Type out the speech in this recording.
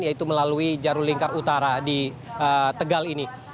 yaitu melalui jaru lingkar utara di tegal ini